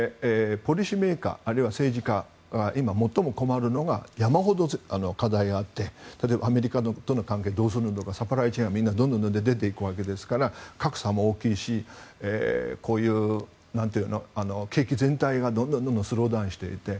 政治家が今、最も困るのが山ほど課題があって、例えばアメリカとの関係をどうするのかサプライチェーンはどんどん出ていくわけですから格差も大きいしこうして景気全体がどんどんスローダウンしていて。